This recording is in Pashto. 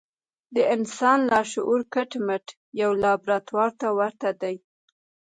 د انسان لاشعور کټ مټ يوې لابراتوار ته ورته دی.